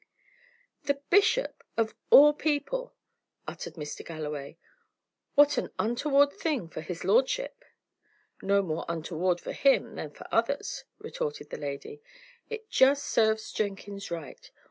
"The bishop, of all people!" uttered Mr. Galloway. "What an untoward thing for his lordship!" "No more untoward for him than for others," retorted the lady. "It just serves Jenkins right.